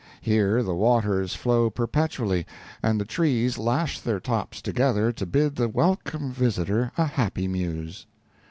Here the waters flow perpetually, and the trees lash their tops together to bid the welcome visitor a happy muse.